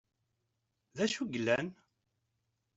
D acu i yellan?